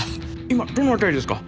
今どの辺りですか？